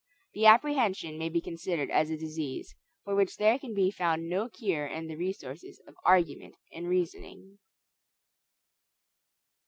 The apprehension may be considered as a disease, for which there can be found no cure in the resources of argument and reasoning.